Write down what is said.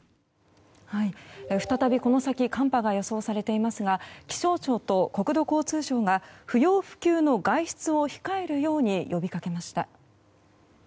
再び、この先寒波が予想されていますが気象庁と国土交通省が不要不急の外出を控えるように呼びかけました。